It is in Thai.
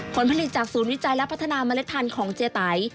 ผลผลิตจากศูนย์วิจัยและพัฒนาเมล็ดพันธุ์ของเจไต